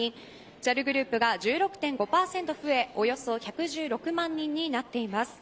ＪＡＬグループが１６．５％増えおよそ１１６万人になっています。